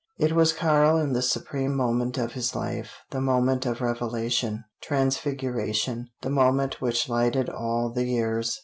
It was Karl in the supreme moment of his life the moment of revelation, transfiguration, the moment which lighted all the years.